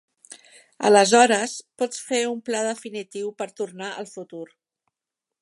Aleshores, pots fer un pla definitiu per tornar al futur.